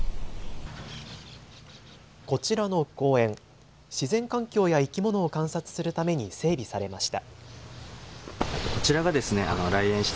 こちらの公園、自然環境や生き物を観察するために整備されました。